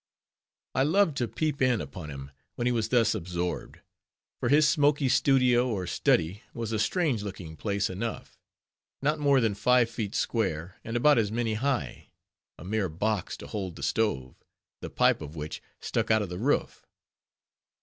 I loved to peep in upon him, when he was thus absorbed; for his smoky studio or study was a strange looking place enough; not more than five feet square, and about as many high; a mere box to hold the stove, the pipe of which stuck out of the roof.